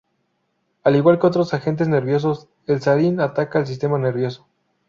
Al igual que otros agentes nerviosos, el sarín ataca el sistema nervioso.